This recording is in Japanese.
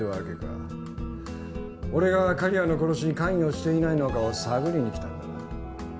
俺が刈谷の殺しに関与していないのかを探りに来たんだな。